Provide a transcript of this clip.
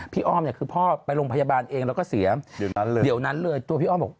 พี่อ้อมคือพ่อไปโรงพยาบาลเองแล้วก็เสียเดี๋ยวนั้นเลยตัวพี่อ้อมบอก